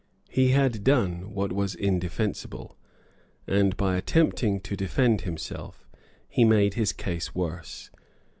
He had done what was indefensible; and, by attempting to defend himself, he made his case worse.